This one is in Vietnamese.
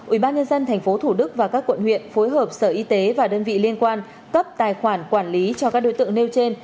ubnd tp thủ đức và các quận huyện phối hợp sở y tế và đơn vị liên quan cấp tài khoản quản lý cho các đối tượng nêu trên